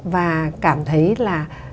và cảm thấy là